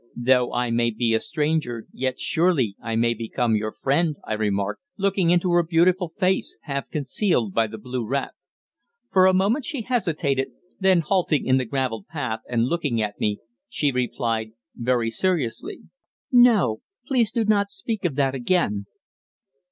"Though I may be a stranger, yet, surely, I may become your friend," I remarked, looking into her beautiful face, half concealed by the blue wrap. For a moment she hesitated; then, halting in the gravelled path and looking at me, she replied very seriously "No; please do not speak of that again."